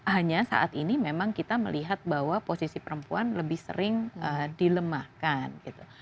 hanya saat ini memang kita melihat bahwa posisi perempuan lebih sering dilemahkan gitu